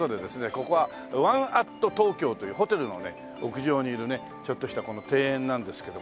ここはＯＮＥ＠Ｔｏｋｙｏというホテルの屋上にいるねちょっとした庭園なんですけどもね。